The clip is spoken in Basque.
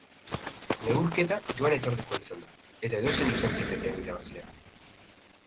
Naurketa joan-etorrikoa izan da, eta edozein izan zitekeen irabazlea.